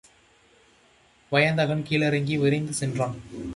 வயந்தகன் கீழிறங்கி விரைந்து சென்றான்.